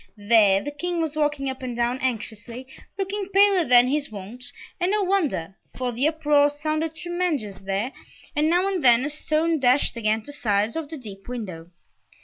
There, the King was walking up and down anxiously, looking paler than his wont, and no wonder, for the uproar sounded tremendous there and now and then a stone dashed against the sides of the deep window.